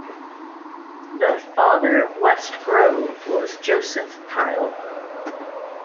The "Father of West Grove" was Joseph Pyle.